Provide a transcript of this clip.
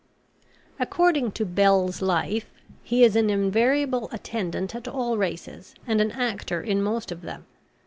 According to BELL'S LIFE, he is an invariable attendant at all races, and an actor in most of them.